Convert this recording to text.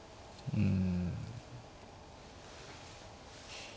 うん。